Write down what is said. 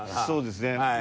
そうですね。